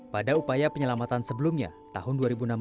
pada upaya penyelamatan sebelumnya tahun dua ribu enam belas